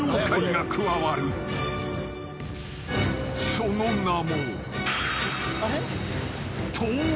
［その名も］